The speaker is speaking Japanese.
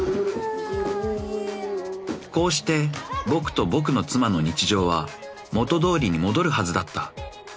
［こうして僕と僕の妻の日常は元通りに戻るはずだった］